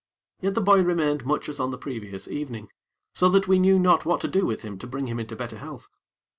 Yet the boy remained much as on the previous evening, so that we knew not what to do with him to bring him into better health.